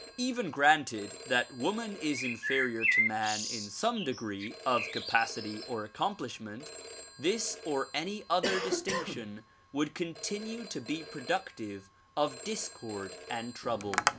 Even granted that woman is inferior to man in some degree of capacity or accomplishment, this or any other dis tinction would continue to be productive of discord and trouble.